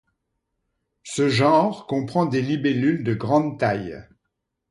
Ce genre comprend des libellules de grande taille.